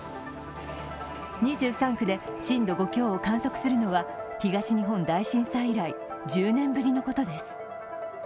２３区で震度５強を観測するのは東日本大震災以来１０年ぶりのことです。